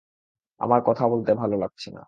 আমার কথা বলতে ভালো লাগছে না।